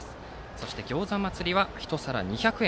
そして餃子祭りは１皿２００円。